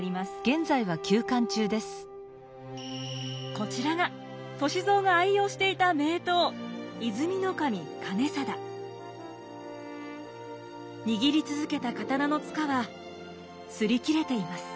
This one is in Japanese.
こちらが歳三が愛用していた握り続けた刀の柄は擦り切れています。